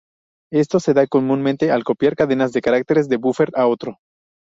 Esto se da comúnmente al copiar cadenas de caracteres de un búfer a otro.